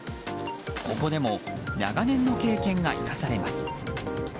ここでも長年の経験が生かされます。